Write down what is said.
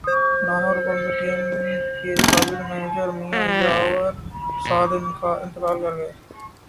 لاہورقومی cricket team کے سابق manager Mian یاور سعید انتقال کرگئے